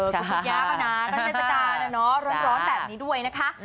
คุณย่าเขานะก็เทศกาลนะเนาะร้อนแบบนี้ด้วยนะคะ